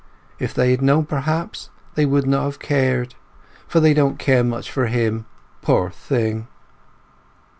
If they had known perhaps they would not have cared, for they don't care much for him, poor thing!"